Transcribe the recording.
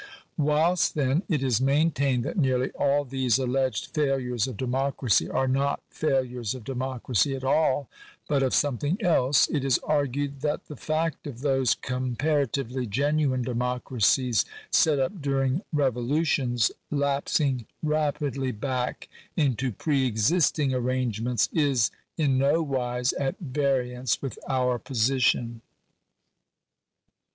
Whilst, then, it is maintained that nearly all these alleged failures of democracy are not failures of democracy at all, but of something else, it is argued that the fact of those comparatively genuine democracies set up during revolutions, Digitized by VjOOQIC THE CONSTITUTION OF THE STATE. 239 lapsing rapidly back into pre existing arrangements, is in nowise at variance with our position.